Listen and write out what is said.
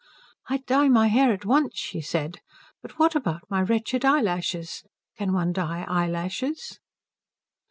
"I'd dye my hair at once," she said, "but what about my wretched eyelashes? Can one dye eyelashes?"